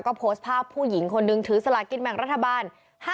ก็โพสต์ภาพผู้หญิงคนนึงถือสลากินแบ่งรัฐบาล